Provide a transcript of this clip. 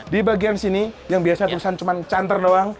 di bagian sini yang biasa tulisan cuma canter doang